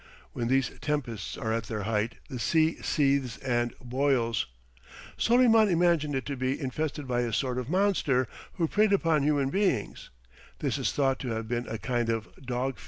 When these tempests are at their height the sea seethes and boils." Soleyman imagined it to be infested by a sort of monster who preyed upon human beings; this is thought to have been a kind of dog fish.